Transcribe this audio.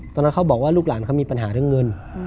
เขาบอกว่าลูกหลานเขามีปัญหาเรื่องเงิน